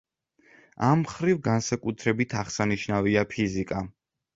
ამ მხრივ განსაკუთრებით აღსანიშნავია ფიზიკა.